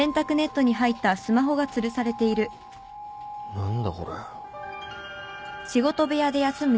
何だこれ。